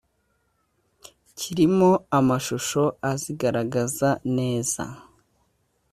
kirimo amashusho azigaragaza neza